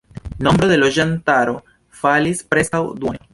Nombro de loĝantaro falis preskaŭ duone.